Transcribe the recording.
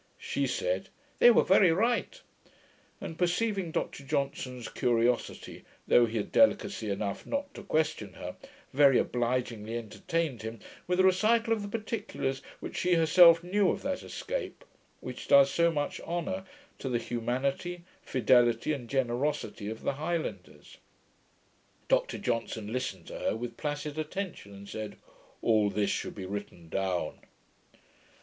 She said, 'they were very right'; and perceiving Dr Johnson's curiosity, though he had delicacy enough not to question her, very obligingly entertained him with a recital of the particulars which she herself knew of that escape, which does so much honour to the humanity, fidelity, and generosity, of the Highlanders. Dr Johnson listened to her with placid attention, and said, 'All this should be written down.'